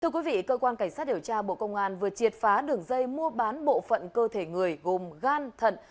thưa quý vị cơ quan cảnh sát điều tra bộ công an vừa triệt phá đường dây mua bán bộ phận cơ thể người gồm gan thận